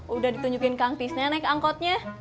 udah ditunjukin kang tisnenek angkotnya